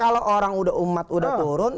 kalau orang udah umat udah turun